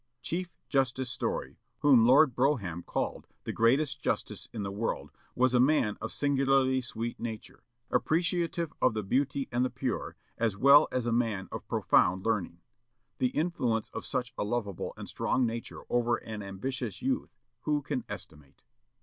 Chief Justice Story, whom Lord Brougham called the "greatest justice in the world," was a man of singularly sweet nature, appreciative of the beautiful and the pure, as well as a man of profound learning. The influence of such a lovable and strong nature over an ambitious youth, who can estimate?